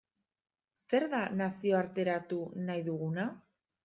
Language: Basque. Zer da nazioarteratu nahi duguna?